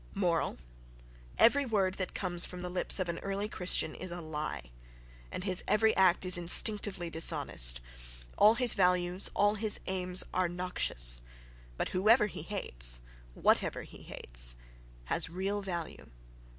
Moral: every word that comes from the lips of an "early Christian" is a lie, and his every act is instinctively dishonest—all his values, all his aims are noxious, but whoever he hates, whatever he hates, has real value....